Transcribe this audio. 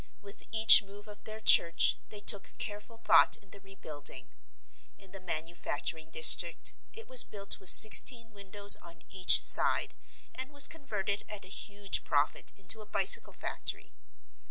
With each move of their church they took careful thought in the rebuilding. In the manufacturing district it was built with sixteen windows on each side and was converted at a huge profit into a bicycle factory.